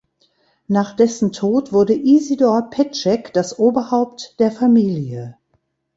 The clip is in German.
Nach dessen Tod wurde Isidor Petschek das Oberhaupt der Familie.